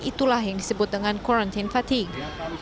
itulah yang disebut dengan quarantine fathing